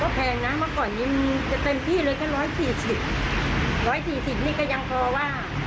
ก็แพงนะเมื่อก่อนนี้จะเต็มที่เลยแค่ร้อยสี่สิบร้อยสี่สิบนี่ก็ยังพอว่า